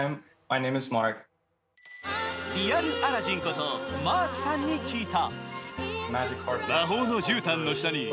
リアルアラジンことマークさんに聞いた。